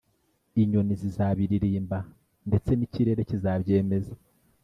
inyoni zizabiririmba ndetse n’ikirere kizabyemeza